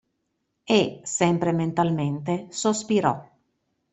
E, sempre mentalmente, sospirò.